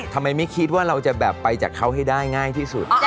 ทำไมไม่คิดว่าเราจะแบบไปจากเขาให้ได้ง่ายที่สุด